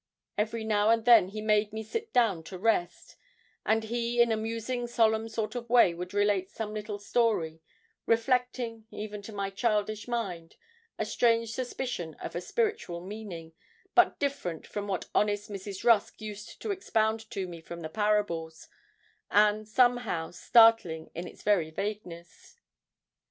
Every now and then he made me sit down to rest, and he in a musing solemn sort of way would relate some little story, reflecting, even to my childish mind, a strange suspicion of a spiritual meaning, but different from what honest Mrs. Rusk used to expound to me from the Parables, and, somehow, startling in its very vagueness.